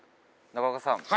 中岡さん